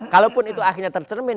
kalaupun itu akhirnya tercermin